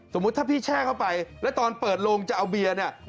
สมมุติถ้าพี่แช่เข้าไปแล้วตอนเปิดโลงจะเอาเบียร์เนี่ย